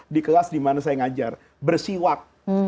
di kelas dimana saya ngajar bersiwak